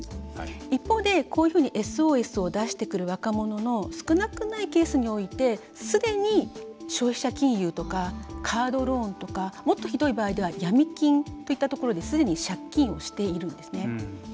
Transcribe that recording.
一方で、こういうふうにＳＯＳを出してくる若者の少なくないケースにおいてすでに消費者金融とかカードローンとかもっとひどい場合ではヤミ金といったところにすでに借金をしているんですね。